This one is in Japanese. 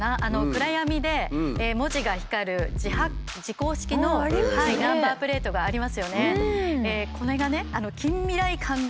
暗闇で文字が光る字光式のナンバープレートがありますよね。